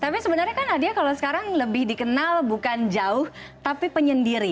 tapi sebenarnya kan nadia kalau sekarang lebih dikenal bukan jauh tapi penyendiri